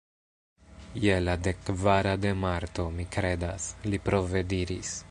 "Je la dekkvara de Marto, mi kredas," li prove diris.